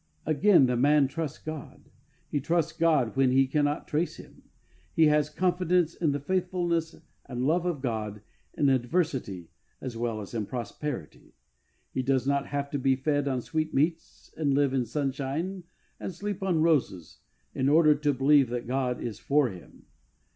Again, the man trusts God. He trusts God when he cannot trace Him. He has confidence in the faithfulness and love of God in adversity as well as in prosperity. He does not have to be fed on sweetmeats and live in sunshine and sleep on roses in order to believe that God is for him.